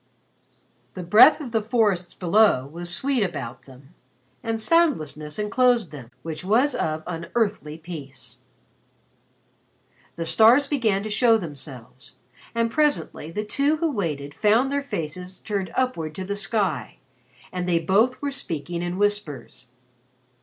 The breath of the forests below was sweet about them, and soundlessness enclosed them which was of unearthly peace. The stars began to show themselves, and presently the two who waited found their faces turned upward to the sky and they both were speaking in whispers.